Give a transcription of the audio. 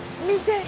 見て。